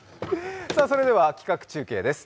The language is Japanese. それでは企画中継です。